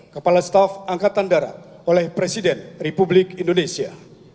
kepala staf angkatan darat oleh presiden republik indonesia